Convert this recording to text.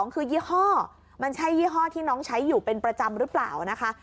คือยี่ห้อมันใช่ยี่ห้อที่น้องใช้อยู่เป็นประจำหรือเปล่านะคะ